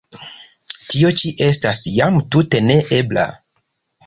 Tio ĉi estas jam tute ne ebla!